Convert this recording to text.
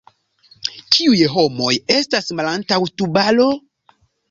Kiuj homoj estas malantaŭ Tubaro?